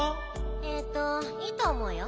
えっといいとおもうよ。